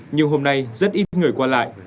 nhưng hôm nay rất ít người qua lại